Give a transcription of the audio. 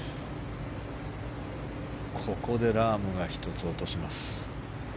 ここでラームが１つ落とします。